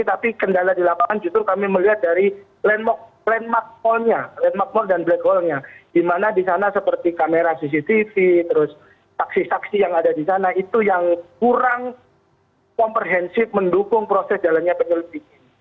tapi kendala di lapangan juga kami melihat dari landmark mall dan black hallnya di mana di sana seperti kamera cctv taksi taksi yang ada di sana itu yang kurang komprehensif mendukung proses jalannya penyelidikan